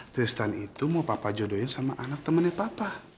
tristan itu mau papa jodohin sama anak temennya papa